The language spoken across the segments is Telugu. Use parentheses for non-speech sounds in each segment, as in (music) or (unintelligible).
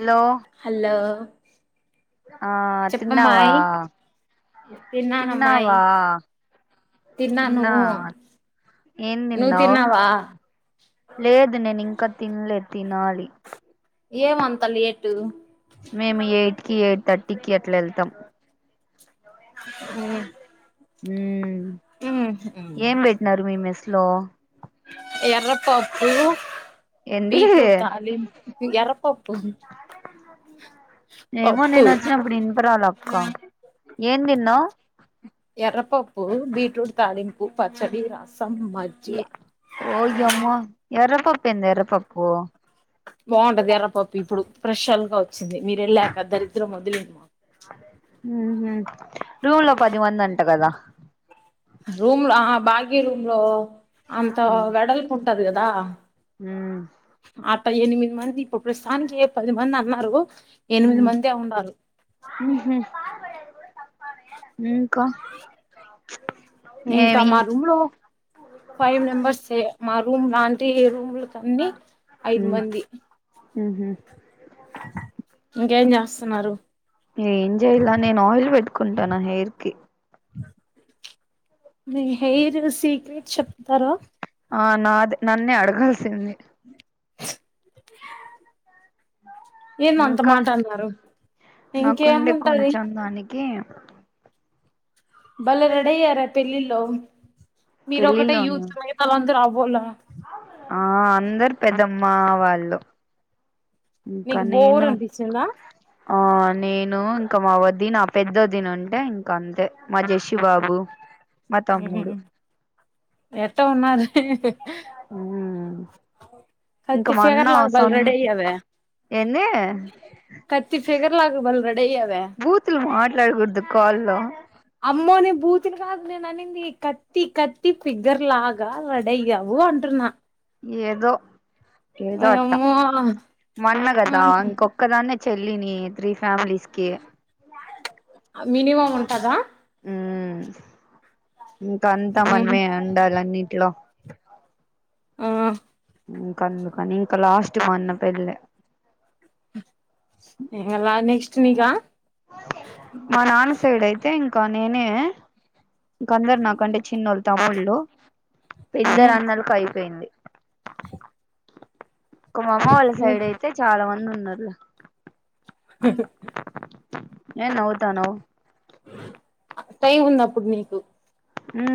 హలో హలో ఆ తిన్నావా చెప్పమ్మాయి తిన్నానమ్మాయి తిన్నావా తిన్నా ఏం నువ్వు తిన్నావ్ తిన్నావా లేదు నేను ఇం ఇంక తిన్లెదు తినాలి ఏం అంత లేటు మేము ఎయిట్ కి ఎయిట్ థర్టీకి అట్ అట్ల వెళ్తాం మ్మ్ మ్మ్ ఏం పెట్టినారు మీ మెస్ స్లో ఎర్రపప్పు ఏంది బీట్రూట్ తాలి ఎర్రపప్పు ఏమో పప్పు నేనొచ్చినప్పుడు ఇనపరాల అక్కా ఏన్ తిన్నావ్ ఎర్రపప్పు బీట్రూట్ తాాలింపుూ పచ్చడి రాస ఏ ఓయ్యోమ్మ ఎర్రపప్పు ఏంది ఎర్రపప్పు బాగుంటది ఎర్రపప్పు ఇప్పుడు ఫ్రెషల్ గా వచ్చింది మీరు వెళ్ళాక దరిద్రం వదిలింది మాకు మ్మ్ రూమ్ లో పది మంది అంట కదా రూమ్ లో బాగ్య రూమ్ లో అంత మ్మ్ వెడల్పు ఉంటది కదా దా మ్మ్ అట్ట ఎనిమిది మంది ఇప్పుడు ప్రస్తుతానికి పది మంది అన్నారు ఎనిమిది మ్మ్ మందే ఉండారు మ్మ్ హు ఇంకా ఇంకా ఏమి మా రూమ్ లో ఫైవ్ మెంబర్స్ే మా రూమ్ లాంటి ఏ రూమ్లన్ని ఐదు మంది మ్మ్ హు ఇంకేం చేస్తున్నారు ఏం చేయలా నేను ఆయిల్ పెట్టుకుంటాను హెయిర్ కి నీ సీక్రెట్ చెప్తార ఆ నాద నన్నే అడగాల్సింది (unintelligible) ఏ ఏం అంత ఇంకా మాట అన్నారు ఇంకేం ఉంటది కి భలే రడైయార పెళ్లిలో మీరు ఒకటే పెళ్ళిలోను యూత్ అలందర్ అవ్ బోల ఆ అందరు పెద్దమ్మ వాళ్ళు ఇంకా నీకు బోర్ నేను అనిపించిందా ఆ నేన్ ఊ ఇంకా మావదిన పెద్దోదిన్ ఉంటే ఇంకా అంతే మా జషీ బాబు మా తమ్ముడు ఎత్తో ఉన్నాది (unintelligible) ఇంకా మా అన్న కత్తిఫిగర్లా బల్ సొం రెడైయావే ఏంది కత్తిఫిగర్లా బల రెడైయావే బూతులు మాట్లాడకూడదు కాల్లో అమ్మోని బూతిని కాదు నేన్ అని నీ కత్తి కత్తి ఫిగర్లాగా రడయావో అంటున్నా ఏదో ఏదో అట్టా ఓయమ్మో మన్నగదా ఇంకొక్కదాన్ని చెల్లిని త్రీఫ్ ఫ్యామిలీస్కి మినిమమ్ ఉంటదా ఊ ఇంకా అంతా మనమే ఉండాలన్నిట్లో ఆ ఇంకందుకని ఇంకా లాస్ట్ మా అన్న పెళ్లే ఉహ్హ్ ఇగలా నెక్స్ట్ నీకా మా నాన్న సైడ్ అయితే ఇంకా నేనే ఇంక అందరు నాకంటే చిన్నోళ తముళ్లు పెద్ద రన్నలకు అయిపోయింది ఇక మామ్మ వాళ్ళ సైడ్ అయితే చాలా మంది ఉం నరేస్ (unintelligible) ఏ నవుతానవు టైం ఉంది అప్పుడు మీకు ఊ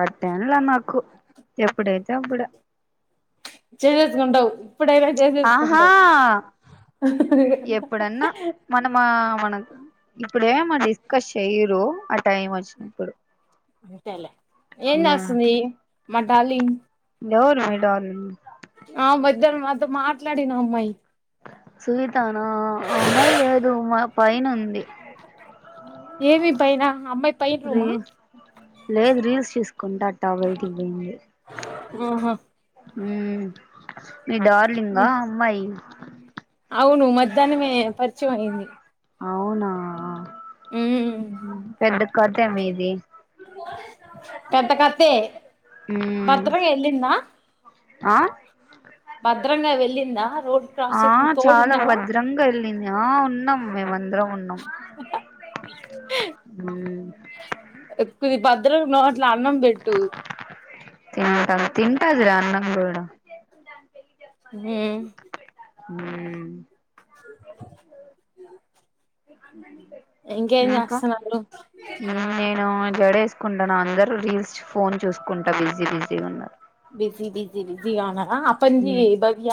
అది తినలా నాకు ఎప్పుడైతే అప్పుడు చేసేసుకుంటావు ఎప్పుడైనా ఆహా చేసేసుకుంటావు. ఎప్పుడన్నా మనమా మనం ఇప్పుడేమ డిస్కస్ చెయ్యరు టైం వచ్చినప్పుడు తేలే ఏం చేస్తుంది మా డార్లింగ్ ఎవరు మీ డార్లింగ్ ఆ మధ్యనం మాతో మాట్లాడిన అమ్మాయి. సునీతనా ఆ అమ్మాయి లేదు మా పైన ఉంది. ఏమి పైనా అమ్మాయి పైన రూమా రీల్ లేదు రీల్స్ చూసుకుంటా అట్ట బైటికి పోయింది. ఓహా మ్మూ మీ డార్లింగా అమ్మాయి అవును మధ్యానమే పరిచయం అయింది. అవునా మ్మ్ హు పెద్ద కాథే మీది పెద్ద కథే మ్మ్ బాత్తుమ్మ వెళ్లిందా ఆ వెళ్ళిందా రోడ్ క్రాస్ ఆ చేసిన చాలా తోడున్నావా భద్రంగా వెళ్ళింది ఆ ఉన్నాం. మేమందరం ఉన్నాం. మ్మ్ కొద్ది భద్రం నోట్ల అన్నం పెట్టు. తింటం తింటాదిరా అన్నం గూడా హ్మ్ హ్మూ ఇంకేం ఇంకా చేస్తున్నారు నేను జడ వేసుకుంటునా అందరు రీల్స్ ఫోన్ చూసుకుంటా బిజీ బిజీగా ఉన్నరు. బిజీ బిజ్ జి బిజి బిజి గా ఉన్నారా, అప్పటినుంచి భవ్య,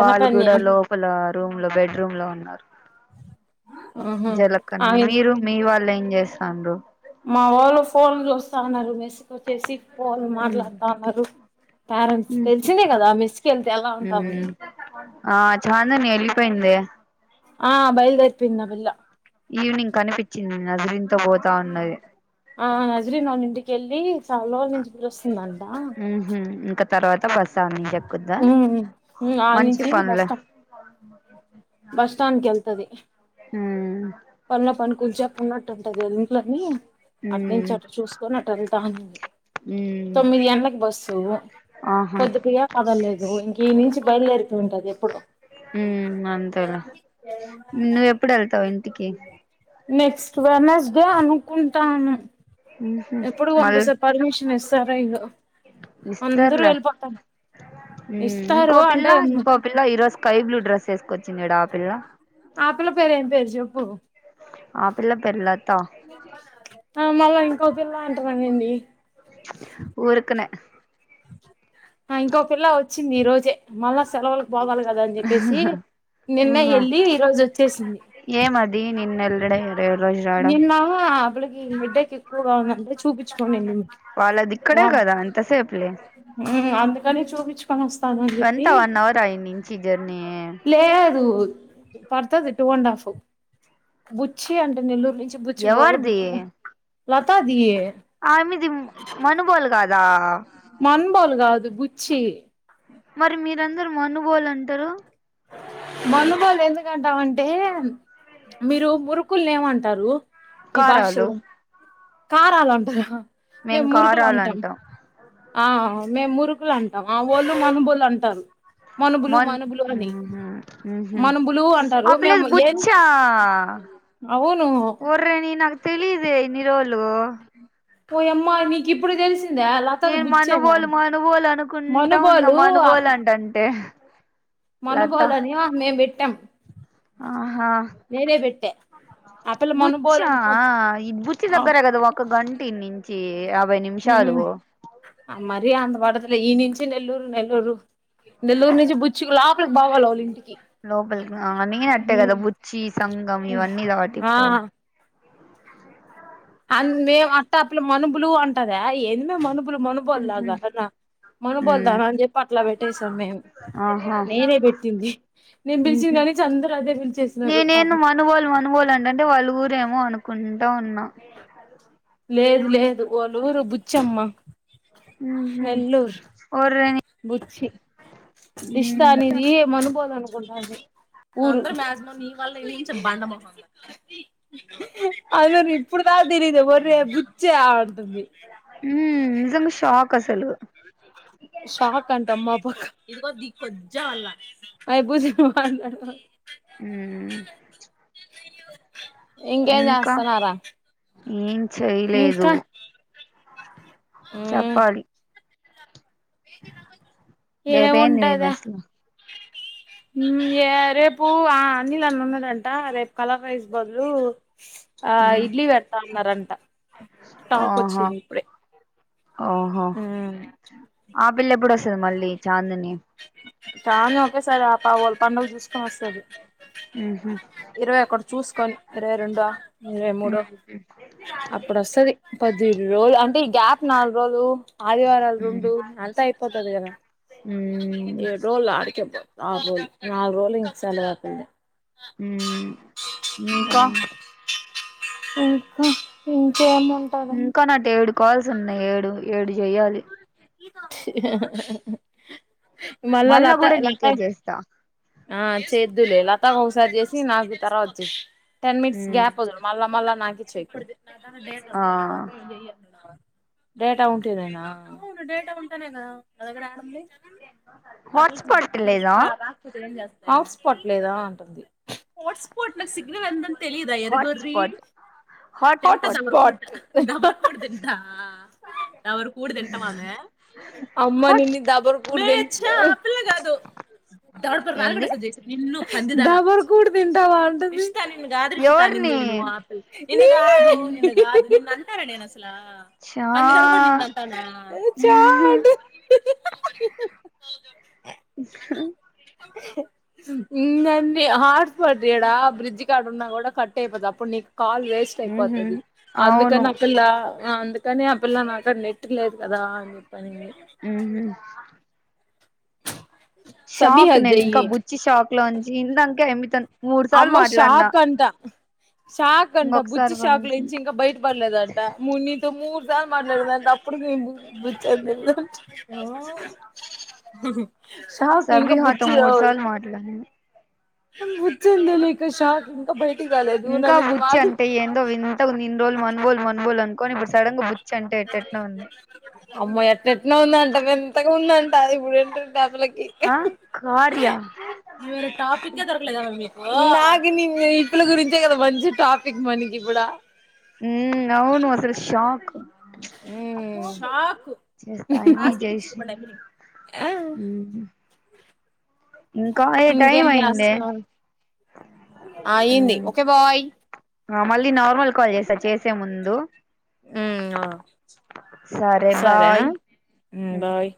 వాళ్ళు కూడా లోపల రూమ్ లో బెడ్ రూమ్ లో ఉన్నారు జలకన్య ఆమె మీరు మీ వాళ్ళు ఏం చేస్తాండ్రు? మా వోళ్ళు ఫోన్ చూస్తా ఉన్నారు మెస్ కొచ్చేసి ఫోన్ మాట్లాడుతా ఉన్నారు పేరెంట్స్ మ్మ్ తెలిసిందే కదా మేస్ కు వెళ్తే ఎలా ఉంటామని. ఆ చాందని వెళ్ళిపోయిందే ఆ బయలుదే చిన్న పిల్ల ఈవినింగ్ కనిపించింది నజిరిన్ ఆ నజ్రిన వాళ్ళ ఇంటికి ఎల్ లీ చాలా నిద్ర వస్తుందంట ఊహూ ఇంకా తర్వాత బస్తా నేను చెక్కుతా ఉమ్ ఆ మంచి నుంచి బస్ పనులే స్టాప్ బస్ స్టాండ్ వెళ్తది మ్మ్ పనులో పని కూర్చా ఉన్నట్టు ఉంటంది అది ఇంట్లోకి అట్ నుంచి మ్మ్ అట్ చూసుకొని అట్ వెళ్తాని మ్మ్ తొమ్మిది గంటలకి బస్సు ఆహా పొద్దు పోయే పగలేదు ఇంక ఈ నుంచి బయలుదేరిత ఉంటది ఎప్పుడు వెళ్ళ నువ్వ ఎప్పుడు వెళ్తావు ఇంటికి నెక్స్ట్ వెనస్డే అనుకుంటానా హుహు మళ్ళ ఇస్తారో ఇదో అందరూ ఇస్తర్లే వెళ్ళిపోతారు ఇస్తారు ఇంకో అంటే పిల్లా ఇంకో పిల్ల ఈరోజు స్కై బ్లూ డ్రెస్ వేసుకోవచ్చు చిన్నడ పిల్ల ఆ పిల్ల పేరు ఏం పేరు చెప్పు ఆ పిల్ల పేరులా ఆ మమ కోపిల్లా అంటున్నాంగండి ఊరుకునే ఆ ఇంకొకల్లా వచ్చింది ఈ రోజే మళ్ళా సెలవులకు పోవాలి కదా అని చెప్పేసి నిన్న ఊహా వెళ్ళి ఈరోజు వచ్చేసింది ఏమది నిన్న ఎల్లడే ఈ రోజు రావడం నిల్వ అబ్ ఈ హెడ్డ క ఎక్కు అంటే చుపించ్ వాళ్ళ దక్కడే కదా అని తసే పలే నే చోవిచ్ వంతా వన్ అవర్ అయి నించి జర్నీ లేదు పడుతుది టూ అండ్ హాఫ్ బుచ్చి అంటే నల్లురు నుంచి బుచ్చు పోవాలి బుచ్చు లతాది ఆ మీది మన బోల్ కాదా మన బల్ కాదు బుచ్చి మరి మీరందరూ మనుబోళ అంటారు మందుబళ్ళు ఎందుకంటామంటే మీరు మురుకులు ఏమంటారు కారాలు మీబషలోం కారాల అంటారా మేం మేము మురుగులు కారాలు అంటాం ఆ మేము మురుకులు అంటాం ఆ వాళ్ళు మనుబోళ్ళు అంటారు మన బలు మొన్ మన బలు అని మనుబులు అంటారు ఆ పిలేది మేము ఏం బుచ్చా అవును వర్రే నీ నాకు తెలిద నిర హలో ఓయమ్మా నీకిప్పుడు తెలిసి నేను మనుబోలు మనుబోలు అనుకుంటా ఉన్నా మనుబోలు మనుబోలు అంటంటే లత మనుబోలని ఆమె వి విట్టం ఆహా నేనే పెట్టా ఆ పిల్ల ల మనుబోలనికో చి దగ్గర గద వా ఒక గంటీ నించి ఈ యాభై నిమిషాలు మరీ అంత పడదులే ఈ నుంచి నెల్లూరు నెల్లూరు నెల్లూరు నుంచి బుచ్చికు లోపలికి బోవాలి వాళ్ళింటి లోపలికి రా అని అట్టే కదా బుచ్చి సంగం ఇవన్నీ కావటి ఆ పో అందే అట్ట అ పిల్ల మనుబులు అంటాదా ఏంది మే మను బులు ఊహు మనుబోల్లాగా కన్నా మ్ మనుబోల్దానా అని చెప్పి అట్లా పెట్టేసాం మేము ఆహా నేనే పెట్టింది నేను ఊహు పిలిచినకానించి అందరూ అదే పిలిచేసినారు నేనేందో పాపం మనుబోలు టా వున్నా లేదు లేదు ఓక ఊరు బుచ్చమ్మ ఉహు నెల్లూర్ ఓర్ని బుచ్చి ఉమ్ ఇష్టానిజ ఈ మనుబోధన ఊ మ నీ వాళ్ళ బండ మ అది ఇప్పుడుదాతలీదు తే బుచ్చా అంటుంది ఉమ్ నిజంగా షాక్ అసలు షాక్ అంట మాబక్ అయి (unintelligible) మాట్లాడుత హ ఇంకేం చేస్తున్నారా ఏ చేయలేదు ఇంకా హ్మ్ చప్పాలి రే పే మీ ఏముంటదా మసలా ఏ రేపు ఆ అన్నిల్న్న ఉన్నాడంట రేపు కళాకైస్ బదులు ఆ ఇడ్లీ వర్తా నరంట ఆ ఓహా ఓహో హ్మ్ ఆ పిల్ళ బుడ మళ్ళీ చాందిని కానీ ఒకేసారి ఆ పా వాళ్ళ పండుగ చూసు స్తది ఉహు ఇరవై ఒక చూసుకోని ఇరవై రెండు ఇరవై మూడో ఉమ్ అప్పుడు వస్తది పది రెండు రోజులు అంటే ఈ గ్యాప్ నాలుగు రోజులు ఆదివారాలు రెండు అంతా అయిపోతది కదా ఉమ్ ఏడు రోజులు అడికే ఆరు రోజులు నాలుగు రోజులు ఇంకా (unintelligible) హు ఇంకా ఇంకా ఇం ఏమంటారు ఇంకా నాటు ఏడు కాల్స్ ఉన్నాయి ఏడు ఏడు చేయాలి మళ్ళా లత కూడా లత నీకే చేస్తా ఆ చేద్దులే లతా ఒకసారి చేసి కి నాకి తర్వాత చేయ్ టెన్ మినిట్స్ ఉమ్ గ్యాప్ వదులు మల్లా మల్లా నాకి చేయ్ ఆ (unintelligible) డేటా ఉంటేనేనేనా అవును డేటా ఉంటానే కదా నా దగ్గర యాడ ఉంది హాట్ స్పాట్ లేదా రాకపోతే హాట్స్పాట్ లేదా అంటుంది హాట్స్పాట్ లో సిగ్నల్ ఏ తెలిదా ఎర్రిగోర్రి హాట్స్పాట్ హాట్స్పాట్ (unintelligible) తింట తమరు కుడు తింటామని అమ్మా హాట్ నిన్న దబర్ కూచ్చ పిల్ల కాదు దౌడ పండ్లు ఏంది రాలగొట్టేస్త జయ శ్రీ నిన్ను దబరు కూడు తింటావా అంటుంది నిన్ను కాదు రిషిత అనింది ఎవరిని నేను ఆ పిల్లని నిన్ను కాదు నిన్ను కాదు నిన్ను అంటానా నేను అసలా చా అందరి ముందు నిన్ను అంటానా ఛా ఉమ్ సన్ని హాట్ స్ఫట్ ఇడా బ్రిడ్జ్ కడా ఉన్నా కూడా కట్ అయిపోతు అప్పుడు నీకు కాల్ వేస్ట్ ఉహు అయిపోతది అవును అందుకని అ పిల్ల ఆ అందు కానీ అ పిల్ల నా కాడా నెట్ లేదు అదా అన్ని చెప్పి అహుమ్ షాక్ సబీహాకి నేను ఇంకా చెయ్యి బుచ్చి షాక్ లో ఉంచి ఇందంకా ఎ అమ్మ షాక్ అంటా షాక్ అంట బుచ్చి ఇంకొకసారి షాక్ బలసం లోంచి ఇంకా బయట పడలేదంట మునితో మూడు దారి మాట్లాడుందంటే అప్పుడు మే బుచ్చి అని చెప్పి హహ సబిహ తో మూడు సార్లు మట్లాడాను వచ్చింది తెలికా షాక్ ఇంకా బయ ఇంకా ఊచ్చి అంటే ఏందో వింతగా ఉంది ఇన్ని రోజులు మనబోలు మనబోలు అంట కాని ఇప్పుడు సడన్ గా చంటే ఎట ఎట్ నో ఉంది అమ్మ ఎట్న ఎట్న ఉంద అంట వింతగా ఉందండి ఇప్పుడు ఏంటండి అ పిల్లకి ఆ కార్య గ న ఇ పిల్ల గురించే కదా మంచి టాపిక్ మనకి ఇప్పుడ ఉమ్ అవును అసలు షాక్ ఉమ్ షాకు చేస్తా ఏమి జయశ్రీ ఉ ఇంకా టైం అయిందే ఆయింది ఓకే బాయ్ ఇది నార్మల్ కాల్ చేసా చేసే ముందు హమ్ సరే ఆ ఉమ్ బాయ్